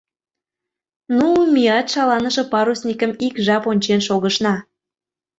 Ну, меат шаланыше парусникым ик жап ончен шогышна...